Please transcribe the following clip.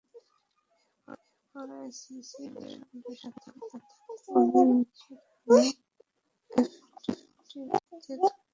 এরপর আইসিসি দুই বোর্ডের সঙ্গে কথা বলে নিশ্চিত হয়ে এফটিপিতে তুলবে সিরিজগুলো।